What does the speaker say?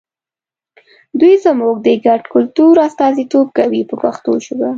دوی زموږ د ګډ کلتور استازیتوب کوي په پښتو ژبه.